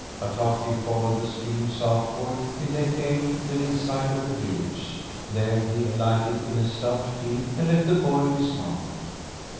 Bataki followed the stream southward till they came within sight of a village. There he alighted in a stubble field and let the boy dismount.